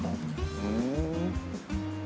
ふん。